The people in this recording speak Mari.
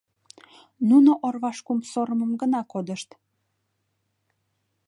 Нуно орваш кум сорымым гына кодышт.